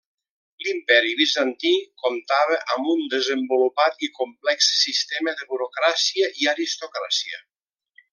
L'Imperi bizantí comptava amb un desenvolupat i complex sistema de burocràcia i aristocràcia.